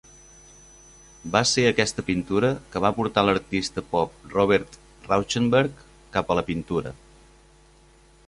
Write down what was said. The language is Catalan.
Va ser aquesta pintura que va portar l'artista pop Robert Rauschenberg cap a la pintura.